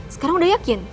sekarang udah yakin